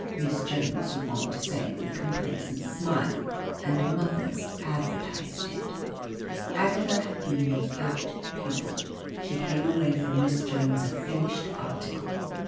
Miss Jones was wont to say with a complacent smile, and mothers advertised it. Agatha had been an apt pupil. She came away from Miss Jones a finished article.